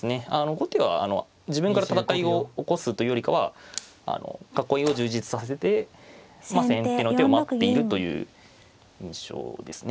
後手は自分から戦いを起こすというよりかは囲いを充実させて先手の手を待っているという印象ですね。